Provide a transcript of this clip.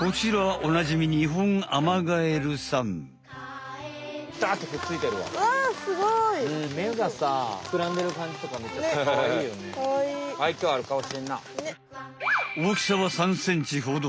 おおきさは３ｃｍほど。